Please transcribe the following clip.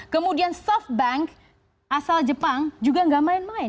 kemudian softbank asal jepang juga nggak main main